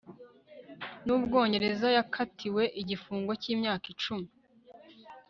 nUbwongereza yakatiwe igifungo cyimyaka icumi